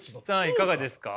いかがですか。